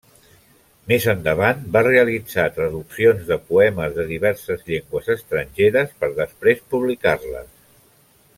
Més endavant va realitzar traduccions de poemes de diverses llengües estrangeres per després publicar-les.